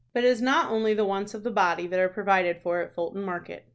But it is not only the wants of the body that are provided for at Fulton Market.